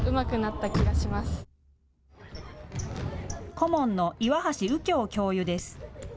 顧問の岩橋右京教諭です。